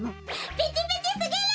ピチピチすぎる！